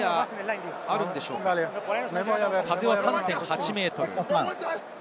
風は３．８メートル。